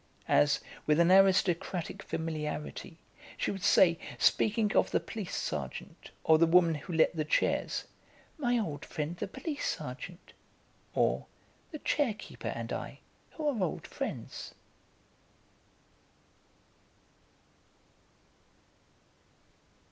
as, with an aristocratic familiarity, she would say, speaking of the police sergeant or the woman who let the chairs, "My old friend the police sergeant," or "The chair keeper and I, who are old friends."